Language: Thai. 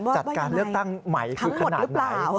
จัดการเลือกตั้งใหม่คือขนาดไหนทั้งหมดหรือเปล่า